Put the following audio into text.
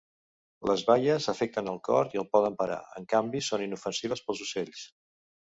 Les baies afecten el cor i el poden parar, en canvi són inofensives pels ocells.